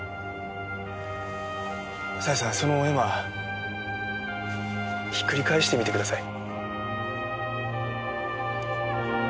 紗絵さんその絵馬引っ繰り返してみてください。